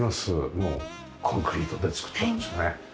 もうコンクリートで作ってますよね。